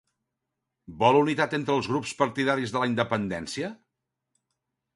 Vol unitat entre els grups partidaris de la independència?